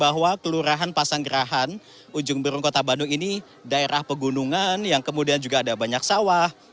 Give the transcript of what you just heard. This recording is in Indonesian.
bahwa kelurahan pasanggerahan ujung berung kota bandung ini daerah pegunungan yang kemudian juga ada banyak sawah